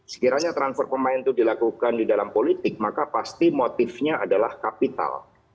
sekiranya transfer pemain itu dilakukan di dalam politik maka pasti motifnya adalah kapital